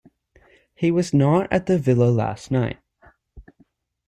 He was not at the villa last night.